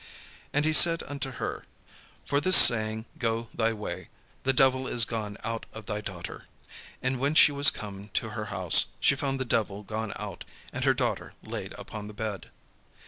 And he said unto her, "For this saying go thy way; the devil is gone out of thy daughter." And when she was come to her house, she found the devil gone out, and her daughter laid upon the bed.